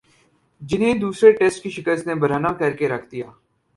جنہیں دوسرے ٹیسٹ کی شکست نے برہنہ کر کے رکھ دیا